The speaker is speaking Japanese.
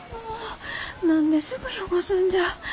何ですぐ汚すんじゃ。